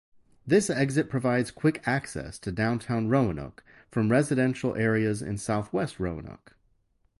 This exit provides quick access to downtown Roanoke from residential areas in southwest Roanoke.